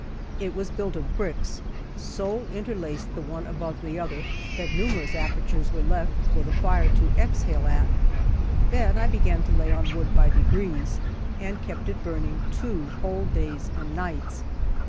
It was built of bricks, so interlaced, the one above the other, that numerous apertures were left for the fire to exhale at. Then I began to lay on wood by degrees, and kept it burning two whole days and nights.